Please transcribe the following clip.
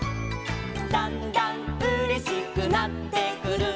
「だんだんうれしくなってくる」